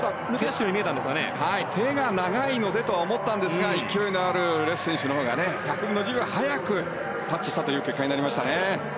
手が長いのでとは思ったんですが勢いのあるレス選手のほうが１００分の２秒早くタッチしたという結果になりましたね。